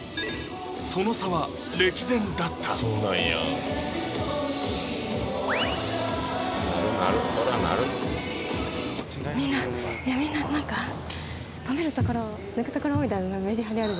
その差は歴然だったなるなる